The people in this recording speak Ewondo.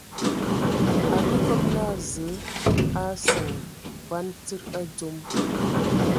Akǝ kɔb naa Zǝǝ a seŋe bɔn tsíd a dzom.